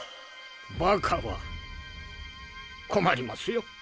バカは困りますよ。